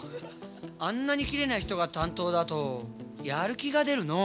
あんなにきれいな人が担当だとやる気が出るのう。